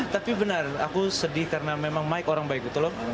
tapi benar aku sedih karena memang mike orang baik gitu loh